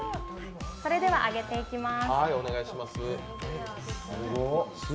それでは揚げていきます。